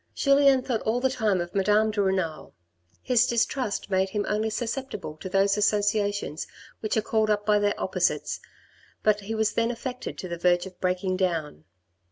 Julien thought all the time of Madame de Renal. His distrust made him only susceptible to those associations which are called up by their opposites, but he was then affected to the verge of breaking down.